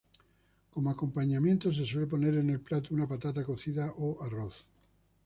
Como acompañamiento se suele poner en el plato una patata cocida o arroz.